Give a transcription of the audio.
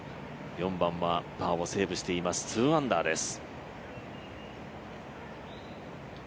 ４番はパーをセーブしています、２アンダーです。